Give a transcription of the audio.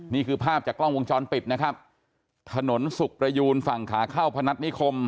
นี่คือภาพจากกล้องวงจรปิดนะครับถนนสุขประยูนฝั่งขาเข้าพนัฐนิคม